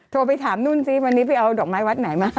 โทรไปถามนุ่นซิวันนี้ไปเอาดอกไม้วัดไหนมา